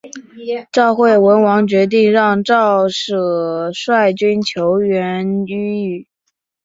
赵惠文王决定让赵奢率军救援阏与。